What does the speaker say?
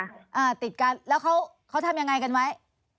อ่าติดกันแล้วเขาเขาทำยังไงกันไว้